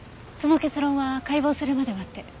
その結論は解剖するまで待って。